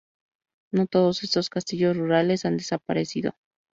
No todos estos castillos rurales han desaparecido.